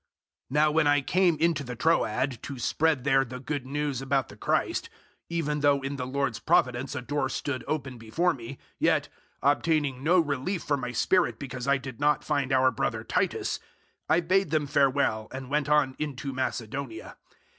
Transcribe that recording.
002:012 Now when I came into the Troad to spread there the Good News about the Christ, even though in the Lord's providence a door stood open before me, 002:013 yet, obtaining no relief for my spirit because I did not find our brother Titus, I bade them farewell and went on into Macedonia.